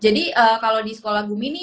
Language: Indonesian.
jadi kalo di sekolah gumi ini